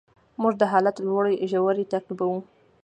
موږ د حالت لوړې ژورې تعقیبوو.